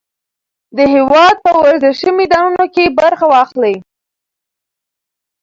د هېواد په ورزشي میدانونو کې برخه واخلئ.